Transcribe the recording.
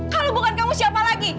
kalau bukan kamu siapa lagi